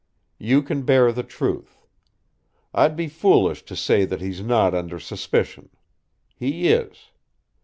You can bear the truth. I'd be foolish to say that he's not under suspicion. He is.